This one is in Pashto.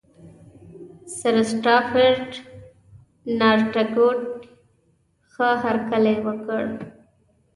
سرسټافرډ نارتکوټ یې ښه هرکلی وکړ.